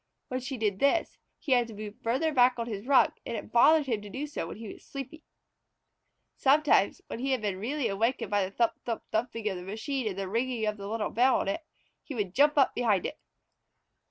When she did this he had to move farther back on his rug, and it bothered him to do so when he was sleepy. Sometimes, when he had been really awakened by the thump thump thumping of the machine and the ringing of the little bell on it, he would jump up behind it.